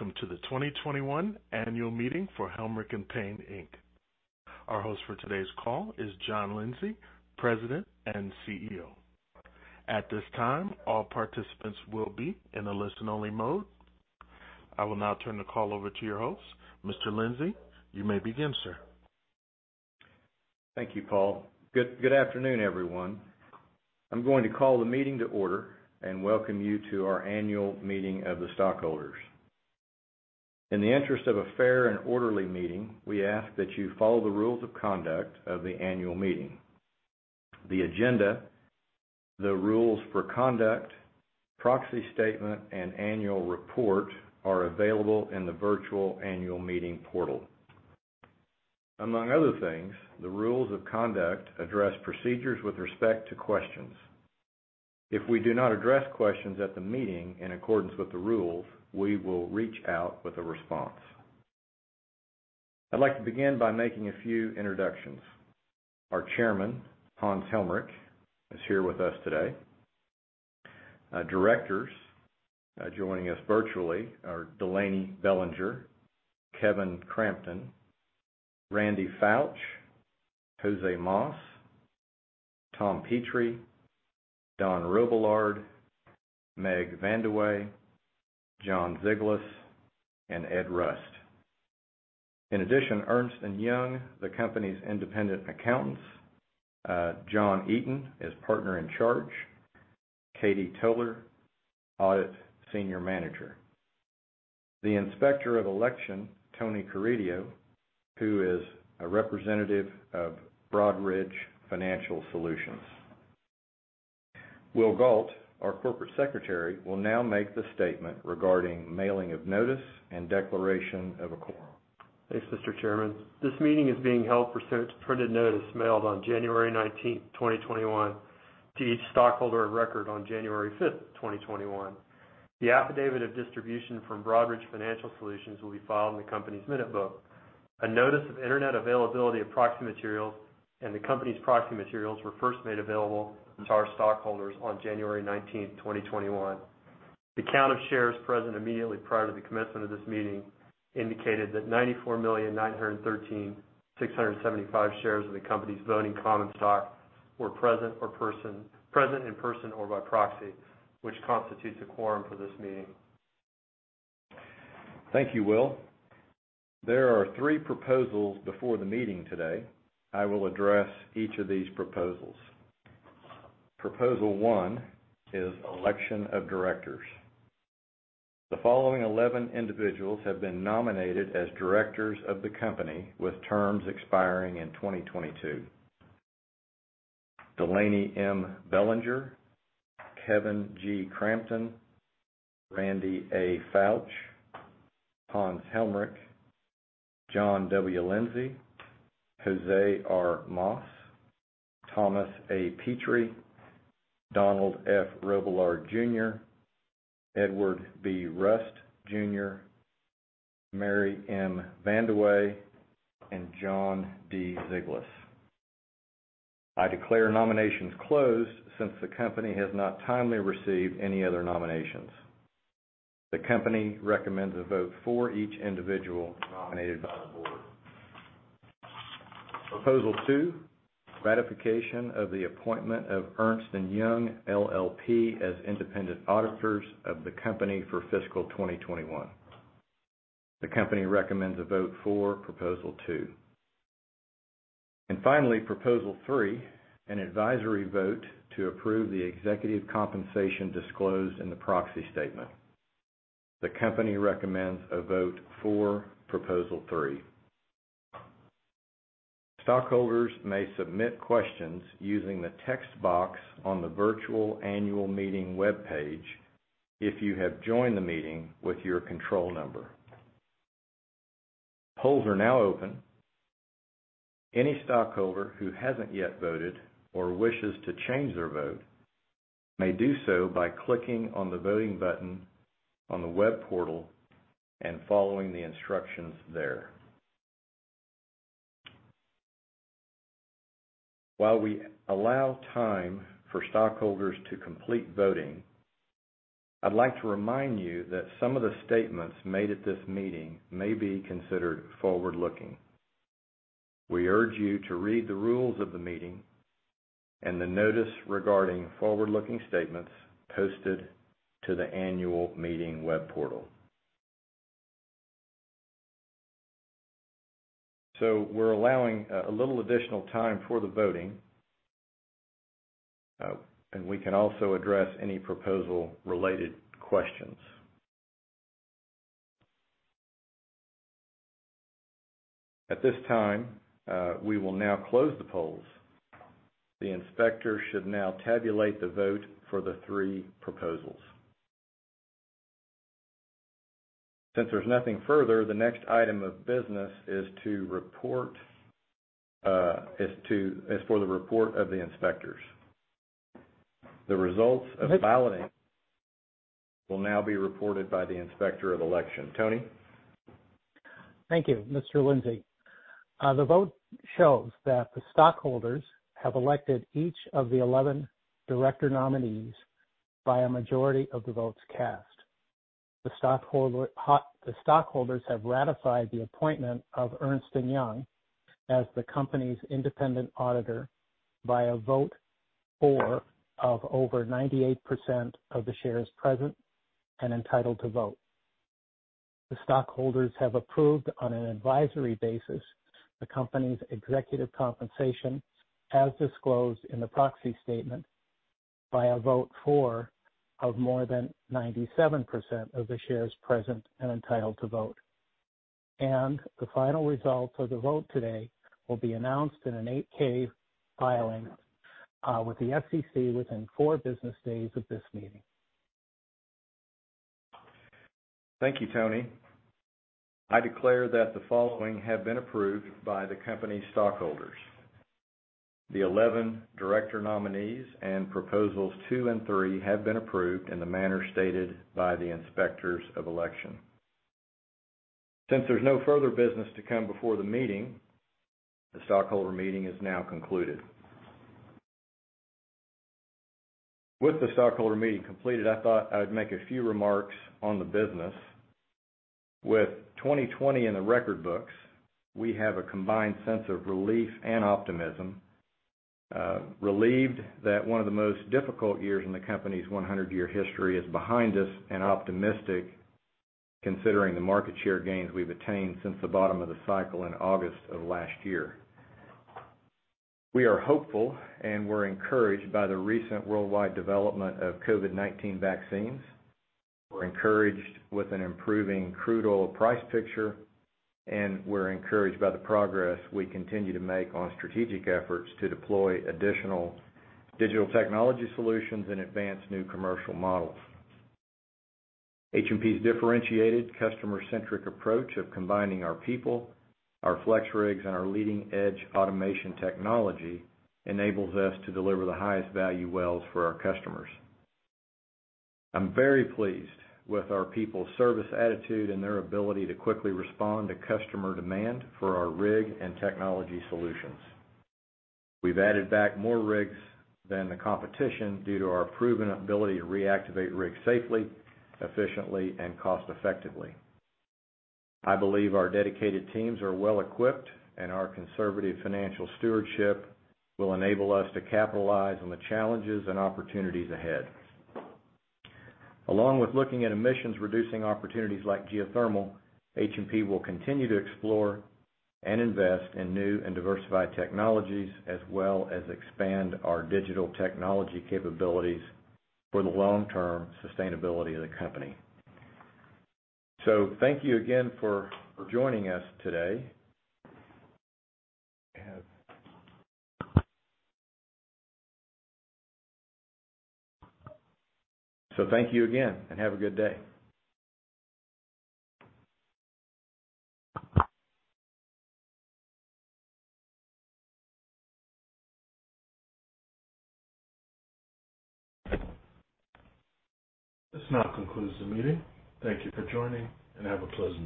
Welcome to the 2021 annual meeting for Helmerich & Payne, Inc. Our host for today's call is John Lindsay, President and CEO. At this time, all participants will be in a listen-only mode. I will now turn the call over to your host. Mr. Lindsay, you may begin, sir. Thank you, Paul. Good afternoon, everyone. I'm going to call the meeting to order and welcome you to our annual meeting of the stockholders. In the interest of a fair and orderly meeting, we ask that you follow the rules of conduct of the annual meeting. The agenda, the rules for conduct, proxy statement, and annual report are available in the virtual annual meeting portal. Among other things, the rules of conduct address procedures with respect to questions. If we do not address questions at the meeting in accordance with the rules, we will reach out with a response. I'd like to begin by making a few introductions. Our chairman, Hans Helmerich, is here with us today. Our directors, joining us virtually, are Delaney Bellinger, Kevin Cramton, Randy Foutch, José Mas, Tom Petrie, Don Robillard, Meg Vandeweghe, John Zeglis, and Ed Rust. In addition, Ernst & Young, the company's independent accountants, John Eaton is partner in charge, Katie Tuller, audit senior manager. The Inspector of Election, Tony Carideo, who is a representative of Broadridge Financial Solutions. Will Gault, our Corporate Secretary, will now make the statement regarding mailing of notice and declaration of a quorum. Thanks, Mr. Chairman. This meeting is being held pursuant to printed notice mailed on January 19th, 2021, to each stockholder of record on January 5th, 2021. The affidavit of distribution from Broadridge Financial Solutions will be filed in the company's minute book. A notice of internet availability of proxy materials and the company's proxy materials were first made available to our stockholders on January 19th, 2021. The count of shares present immediately prior to the commencement of this meeting indicated that 94,913,675 shares of the company's voting common stock were present in person or by proxy, which constitutes a quorum for this meeting. Thank you, Will. There are three proposals before the meeting today. I will address each of these proposals. Proposal one is election of directors. The following 11 individuals have been nominated as directors of the company, with terms expiring in 2022. Delaney M. Bellinger, Kevin G. Cramton, Randy A. Foutch, Hans Helmerich, John W. Lindsay, José R. Mas, Thomas A. Petrie, Donald F. Robillard Jr., Edward B. Rust, Jr., Mary M. Vandeweghe, and John D. Zeglis. I declare nominations closed since the company has not timely received any other nominations. The company recommends a vote for each individual nominated by the board. Proposal two, ratification of the appointment of Ernst & Young LLP as independent auditors of the company for fiscal 2021. The company recommends a vote for proposal two. Finally, proposal three, an advisory vote to approve the executive compensation disclosed in the proxy statement. The company recommends a vote for proposal three. Stockholders may submit questions using the text box on the virtual annual meeting webpage if you have joined the meeting with your control number. Polls are now open. Any stockholder who hasn't yet voted or wishes to change their vote may do so by clicking on the voting button on the web portal and following the instructions there. While we allow time for stockholders to complete voting, I'd like to remind you that some of the statements made at this meeting may be considered forward-looking. We urge you to read the rules of the meeting and the notice regarding forward-looking statements posted to the annual meeting web portal. We're allowing a little additional time for the voting, and we can also address any proposal-related questions. At this time, we will now close the polls. The inspector should now tabulate the vote for the three proposals. Since there's nothing further, the next item of business is for the report of the inspectors. The results of the balloting will now be reported by the Inspector of Election. Tony? Thank you, Mr. Lindsay. The vote shows that the stockholders have elected each of the 11 director nominees by a majority of the votes cast. The stockholders have ratified the appointment of Ernst & Young as the company's independent auditor by a vote for of over 98% of the shares present and entitled to vote. The stockholders have approved, on an advisory basis, the company's executive compensation as disclosed in the proxy statement by a vote for of more than 97% of the shares present and entitled to vote. The final results of the vote today will be announced in an 8-K filing with the SEC within four business days of this meeting. Thank you, Tony. I declare that the following have been approved by the company's stockholders. The 11 director nominees and proposals two and three have been approved in the manner stated by the inspectors of election. There's no further business to come before the meeting, the stockholder meeting is now concluded. With the stockholder meeting completed, I thought I would make a few remarks on the business. With 2020 in the record books, we have a combined sense of relief and optimism. Relieved that one of the most difficult years in the company's 100-year history is behind us, and optimistic considering the market share gains we've attained since the bottom of the cycle in August of last year. We are hopeful, we're encouraged by the recent worldwide development of COVID-19 vaccines. We're encouraged with an improving crude oil price picture, and we're encouraged by the progress we continue to make on strategic efforts to deploy additional digital technology solutions and advance new commercial models. H&P's differentiated customer-centric approach of combining our people, our FlexRigs, and our leading-edge automation technology enables us to deliver the highest value wells for our customers. I'm very pleased with our people's service attitude and their ability to quickly respond to customer demand for our rig and technology solutions. We've added back more rigs than the competition due to our proven ability to reactivate rigs safely, efficiently, and cost-effectively. I believe our dedicated teams are well-equipped, and our conservative financial stewardship will enable us to capitalize on the challenges and opportunities ahead. Along with looking at emissions-reducing opportunities like geothermal, H&P will continue to explore and invest in new and diversified technologies, as well as expand our digital technology capabilities for the long-term sustainability of the company. Thank you again for joining us today. Thank you again, have a good day. This now concludes the meeting. Thank you for joining, and have a pleasant day.